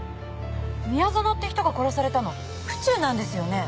宮園って人が殺されたの府中なんですよね？